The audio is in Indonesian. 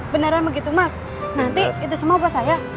beneran begitu mas nanti itu semua buat saya